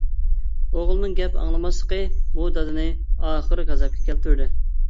ئوغلىنىڭ گەپ ئاڭلىماسلىقى بۇ دادىنى ئاخىرى غەزەپكە كەلتۈردى.